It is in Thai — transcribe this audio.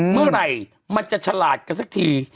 เมื่อไหร่มันจะฉลาดกันสักที